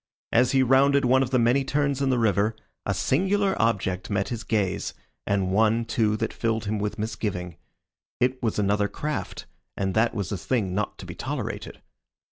As he rounded one of the many turns in the river a singular object met his gaze, and one, too, that filled him with misgiving. It was another craft, and that was a thing not to be tolerated.